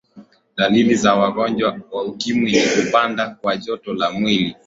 dalili za ugonjwa wa ukimwi ni kupanda kwa joto la mwili